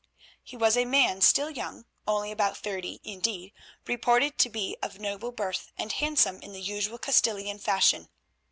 He was a man still young, only about thirty indeed, reported to be of noble birth, and handsome in the usual Castilian fashion.